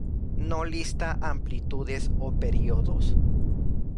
No lista amplitudes o períodos.